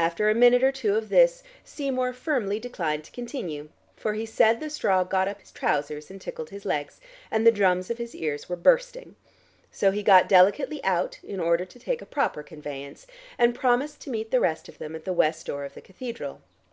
After a minute or two of this Seymour firmly declined to continue, for he said the straw got up his trousers and tickled his legs, and the drums of his ears were bursting. So he got delicately out, in order to take a proper conveyance, and promised to meet the rest of them at the west door of the cathedral.